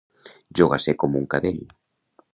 Jogasser com un cadell.